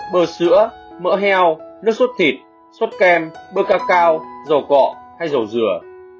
bơ sữa mỡ heo nước sốt thịt sốt kem bơ cacao dầu cọ hay dầu dừa